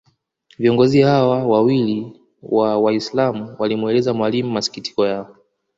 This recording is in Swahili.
Viongozi hawa wawili wa Waislam walimueleza Mwalimu masikitiko yao